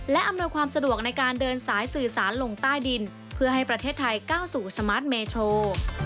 และอำนวยความสะดวกในการเดินสายสื่อสารลงใต้ดินเพื่อให้ประเทศไทยก้าวสู่สมาร์ทเมโชว์